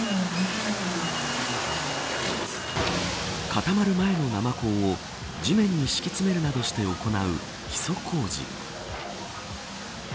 固まる前の生コンを地面に敷き詰めるなどして行う基礎工事。